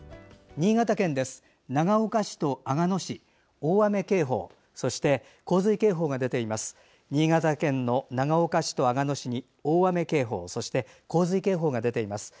新潟県の長岡市と阿賀野市に大雨警報、そして洪水警報が出ています。